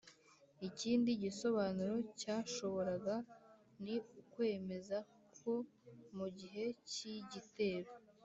ikindi gisobanuro cyashobokaga ni ukwemeza ko mu gihe cy'igitero,